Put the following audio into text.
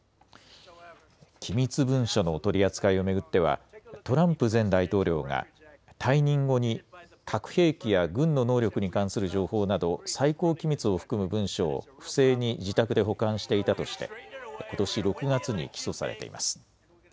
機密文書の取り扱いを巡ってはトランプ前大統領が退任後に核兵器や軍の能力に関する情報など最高機密を含む文書を不正に自宅で保管していたとしてことし６月に起訴されています。